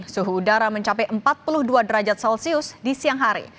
suhu udara mencapai empat puluh dua derajat celcius di siang hari